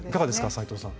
斉藤さん。